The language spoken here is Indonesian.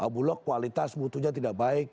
bulog kualitas mutunya tidak baik